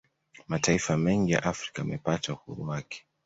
Mataifa mengi ya Afrika yamepata uhuru wake